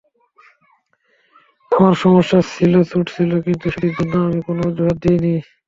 আমার সমস্যা ছিল, চোট ছিল, কিন্তু সেটির জন্য আমি কোনো অজুহাত দিইনি।